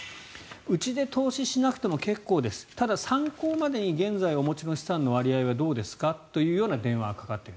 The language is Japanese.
うちで投資しなくても結構ですただ、参考までに現在お持ちの資産の割合はどうですか？という電話がかかってくる。